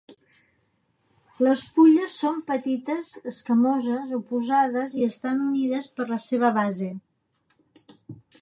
Les fulles són petites, escamoses, oposades i estan unides per la seva base.